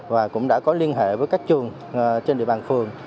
và cũng đã có liên hệ với các trường trên địa bàn phường